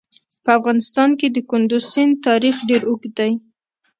په افغانستان کې د کندز سیند تاریخ ډېر اوږد دی.